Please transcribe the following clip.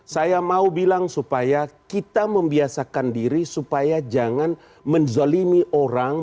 saya mau bilang supaya kita membiasakan diri supaya jangan menzalimi orang